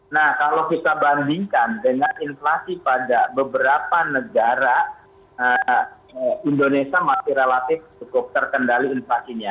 nah kalau kita bandingkan dengan inflasi pada beberapa negara indonesia masih relatif cukup terkendali inflasinya